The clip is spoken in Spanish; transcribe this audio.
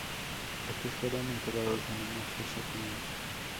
Estos fueron enterrados en una fosa común.